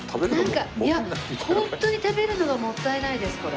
いやホントに食べるのがもったいないです。